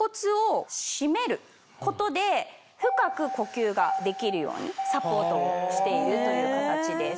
ことで深く呼吸ができるようにサポートをしているという形です。